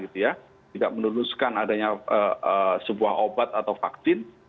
tidak meneruskan adanya sebuah obat atau vaksin